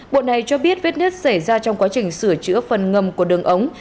bộ này cho biết vết nứt xảy ra trong quá trình sửa chữa phần ngầm của đường ống